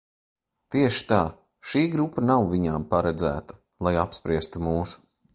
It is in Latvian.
Tieši tā. Šī grupa nav viņām paredzēta, lai apspriestu mūs.